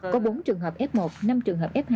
có bốn trường hợp f một năm trường hợp f hai